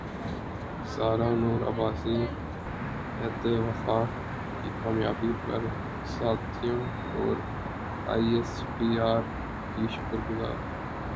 زارا نور عباس عہد وفا کی کامیابی پر ساتھیوں اور ائی ایس پی ار کی شکر گزار